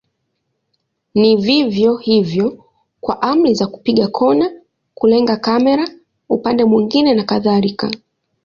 Ni vivyo hivyo kwa amri za kupiga kona, kulenga kamera upande mwingine na kadhalika.